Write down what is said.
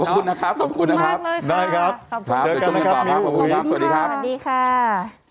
ขอบคุณนะครับขอบคุณมากเลยค่ะนะครับเจอกันต่อครับขอบคุณครับสวัสดีครับสวัสดีค่ะ